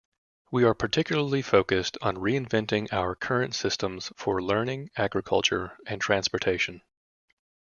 We are particularly focused on reinventing our current systems for learning, agriculture, and transportation.